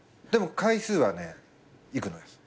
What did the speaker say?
でも回数はね行くのよ。